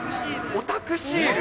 オタクシール？